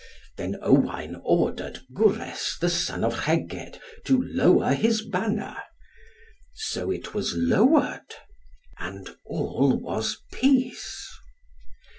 Then Owain ordered Gwres the son of Rheged to lower his banner. So it was lowered, and all was peace.